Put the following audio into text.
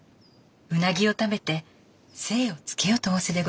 鰻を食べて精をつけよと仰せでございます。